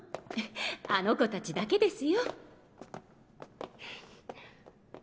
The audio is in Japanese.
あの子達だけですよ。